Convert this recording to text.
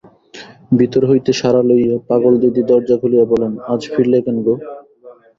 ভিতর হইতে সাড়া লইয়া পাগলদিদি দরজা খুলিয়া বলেন, আজ ফিরলে কেন গো?